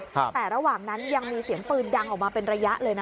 แต่ระหว่างนั้นยังมีเสียงปืนดังออกมาเป็นระยะเลยนะ